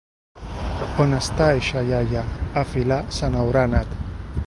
On està eixa iaia? A filar se n’haurà anat.